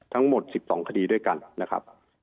ทั้งหมด๑๒คดีด้วยกันนะครับ